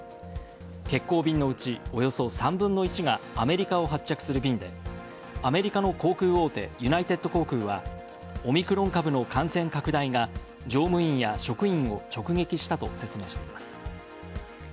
欠航便のうち、およそ３分の１がアメリカを発着する便でアメリカの航空大手ユナイテッド航空は、オミクロン株の感染拡大が乗務員や職員を直撃したと説明しています。